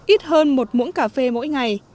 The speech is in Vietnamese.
ít hơn một muỗng cà phê mỗi ngày